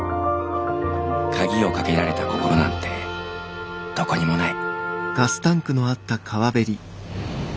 鍵をかけられた心なんてどこにもない」。